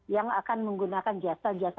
yang akan menggunakan jasa jasa